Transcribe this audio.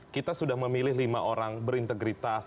kita sudah memilih lima orang berintegritas